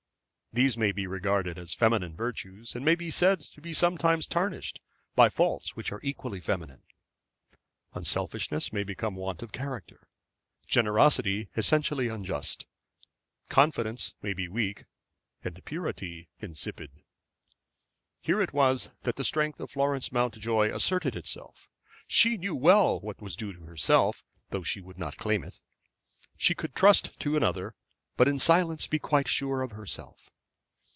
These may be regarded as feminine virtues, and may be said to be sometimes tarnished, by faults which are equally feminine. Unselfishness may become want of character; generosity essentially unjust; confidence may be weak, and purity insipid. Here it was that the strength of Florence Mountjoy asserted itself. She knew well what was due to herself, though she would not claim it. She could trust to another, but in silence be quite sure of herself.